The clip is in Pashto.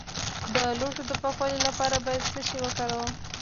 د لوښو د پاکوالي لپاره باید څه شی وکاروم؟